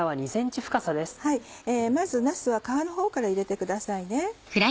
まずなすは皮のほうから入れてください。